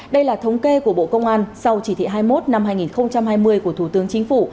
đây là thống kê của bộ công an sau chỉ thị hai mươi một năm hai nghìn hai mươi của thủ tướng chính phủ